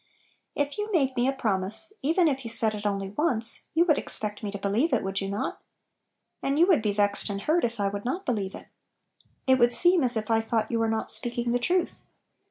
If you made me a promise, even if you said it only once, you would ex pect me to believe it, would you not? And you would be vexed and hurt if I would not believe ii It would seem go Little Pillows. as if I thought you were not speaking the truth.